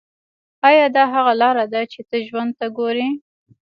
ایا دا هغه لاره ده چې ته ژوند ته ګورې